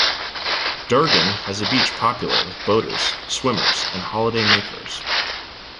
Durgan has a beach popular with boaters, swimmers and holiday makers.